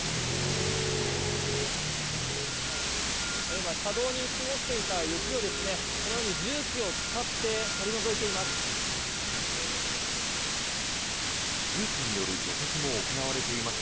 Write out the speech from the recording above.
今車道に積もっていた雪をこのように重機を使って取り除いています。